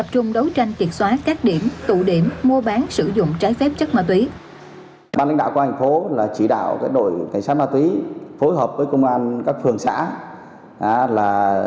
chỉ đạo đội cảnh sát ma túy phối hợp với công an các phường xã